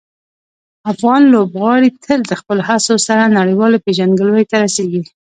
افغان لوبغاړي تل د خپلو هڅو سره نړیوالې پېژندګلوۍ ته رسېږي.